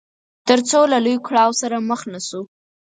تر څو له لوی کړاو سره مخ نه شو.